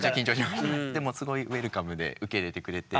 でもすごいウエルカムで受け入れてくれて。